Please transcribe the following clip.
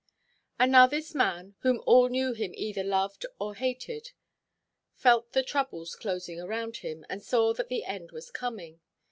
And now this man, whom all who knew him either loved or hated, felt the troubles closing around him, and saw that the end was coming.